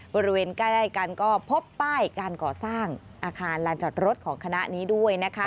บริเวณใกล้กันก็พบป้ายการก่อสร้างอาคารลานจอดรถของคณะนี้ด้วยนะคะ